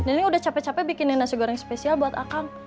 nah ini udah capek capek bikinin nasi goreng spesial buat akang